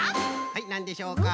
はいなんでしょうか？